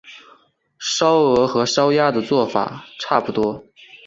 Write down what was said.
烧鹅和烧鸭做法差不多。